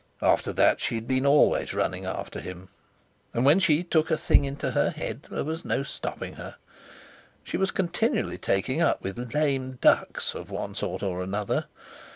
After that she'd been always running after him; and when she took a thing into her head there was no stopping her. She was continually taking up with "lame ducks" of one sort or another.